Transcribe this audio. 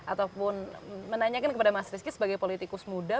ataupun menanyakan kepada mas rizky sebagai politikus muda